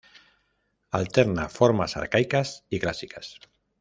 Alterna formas arcaicas y clásicas.